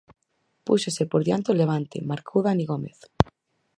Púxose por diante o Levante, marcou Dani Gómez.